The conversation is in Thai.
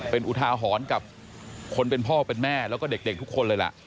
เป็นอุทาหรณ์กับคนเป็นพ่อเป็นแม่แล้วก็เด็กทุกคนเลยล่ะ